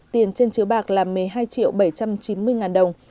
tiền trên chiếu bạc là một mươi hai triệu bảy trăm chín mươi ngàn đồng